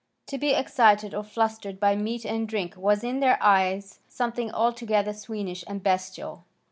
To be excited or flustered by meat and drink was in their eyes something altogether swinish and bestial.